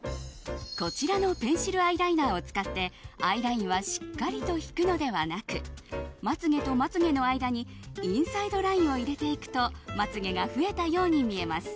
こちらのペンシルアイライナーを使ってアイラインはしっかりと引くのではなくまつ毛とまつ毛の間にインサイドラインを入れていくとまつ毛が増えたように見えます。